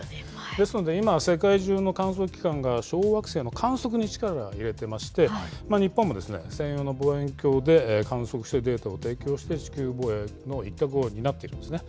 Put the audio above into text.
ですので、今、世界中の観測機関が、小惑星の観測に力を入れてまして、日本も専用の望遠鏡で観測して、データを提供して地球防衛の一角を担っているんですね。